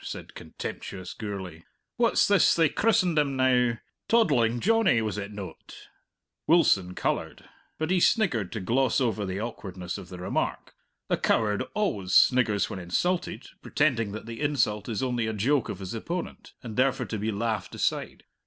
said contemptuous Gourlay. "What's this they christened him now? 'Toddling Johnnie,' was it noat?" Wilson coloured. But he sniggered to gloss over the awkwardness of the remark. A coward always sniggers when insulted, pretending that the insult is only a joke of his opponent, and therefore to be laughed aside.